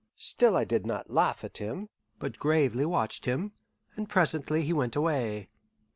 Still I did not laugh at him, but gravely watched him; and presently he went away.